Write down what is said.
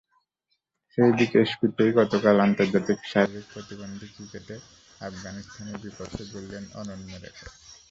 সেই বিকেএসপিতেই গতকাল আন্তর্জাতিক শারীরিক প্রতিবন্ধী ক্রিকেটে আফগানিস্তানের বিপক্ষে গড়লেন অনন্য রেকর্ড।